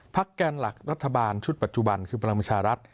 แกนหลักรัฐบาลชุดปัจจุบันคือพลังประชารัฐ